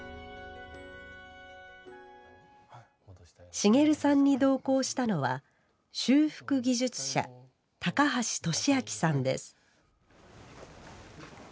茂さんに同行したのは修復技術者・高橋利明さんです。